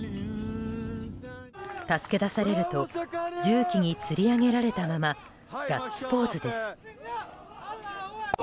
助け出されると重機につり上げられたままガッツポーズです。